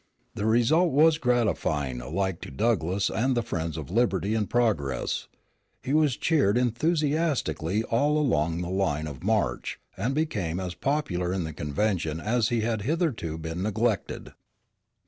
The result was gratifying alike to Douglass and the friends of liberty and progress. He was cheered enthusiastically all along the line of march, and became as popular in the convention as he had hitherto been neglected.